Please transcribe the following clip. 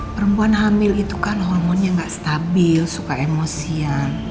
perempuan hamil itu kan hormonnya nggak stabil suka emosian